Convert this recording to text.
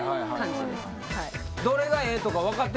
どれがええとか分かってるんですか？